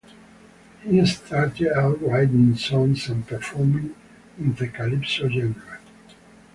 He started out writing songs and performing in the calypso genre.